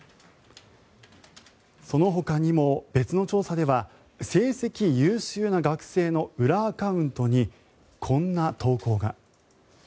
そのほかにも別の調査では成績優秀な学生の裏アカウントにこんな投稿が。